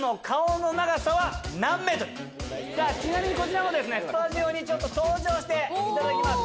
ちなみにこちらもスタジオに登場していただきます。